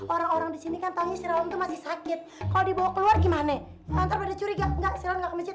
orang orang disini kan tangis rawang masih sakit kalau dibawa keluar gimane antar pada curiga enggak